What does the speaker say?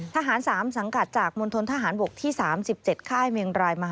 ทหาร๓สังกัดจากมณฑนทหารบกที่๓๗ค่ายเมียงรายมหา